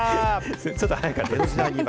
ちょっと早かったですね、今。